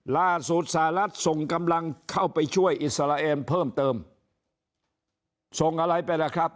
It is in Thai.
ล่าสุดสหรัฐส่งกำลังเข้าไปช่วยอิสราเอลเพิ่มเติมส่งอะไรไปล่ะครับ